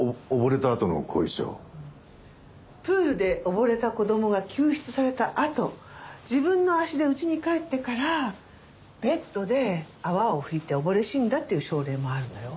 プールで溺れた子供が救出されたあと自分の足で家に帰ってからベッドで泡を吹いて溺れ死んだっていう症例もあるのよ。